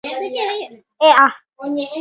¡E'a!